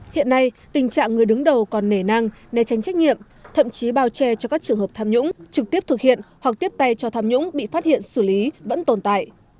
hiện nay tình trạng người đứng đầu còn nể năng nề tránh trách nhiệm thậm chí bao che cho các trường hợp tham nhũng trực tiếp thực hiện hoặc tiếp tay cho tham nhũng bị phát hiện xử lý vẫn tồn tại